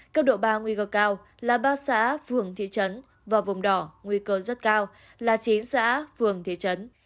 cấp độ ba nguy cơ cao là ba xã phường thị trấn và vùng đỏ nguy cơ rất cao là chín xã phường thị trấn